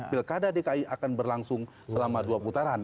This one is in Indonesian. pilkada dki akan berlangsung selama dua putaran